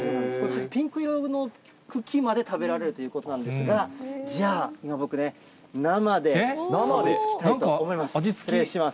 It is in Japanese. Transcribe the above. ピンク色の茎まで食べられるということなんですが、じゃあ、今僕ね、生でかぶりつきたいと思います。